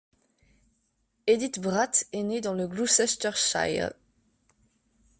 Edith Bratt est née dans le Gloucestershire.